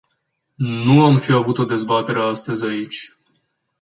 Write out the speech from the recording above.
Nu am fi avut o dezbatere astăzi aici.